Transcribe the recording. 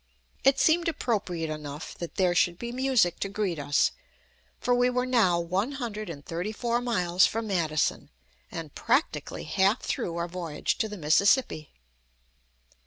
It seemed appropriate enough that there should be music to greet us, for we were now one hundred and thirty four miles from Madison, and practically half through our voyage to the Mississippi.